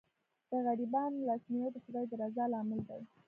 د غریبانو لاسنیوی د خدای د رضا لامل دی.